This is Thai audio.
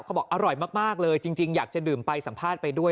บอกอร่อยมากเลยจริงอยากจะดื่มไปสัมภาษณ์ไปด้วย